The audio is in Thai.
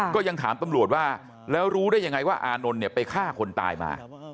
ก็ยังถามตำรวจว่าแล้วรู้ได้ยังไงว่าอานนท์เนี่ยไปฆ่าคนตายมา